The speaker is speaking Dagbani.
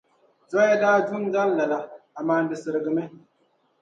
Zoya daa du n-gari lala, amaa di sirigimi.